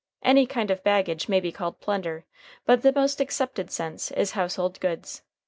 Any kind of baggage may be called plunder, but the most accepted sense is household goods.